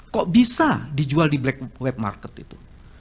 kok bisa dijual di black web market itu